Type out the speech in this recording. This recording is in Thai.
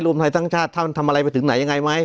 รวมไทยสร้างชาติท่านทำอะไรไปถึงไหนยังไงไหม